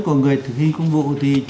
của người thực hiện công vụ thì